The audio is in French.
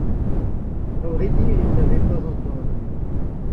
À vrai dire, il n’avait pas entendu.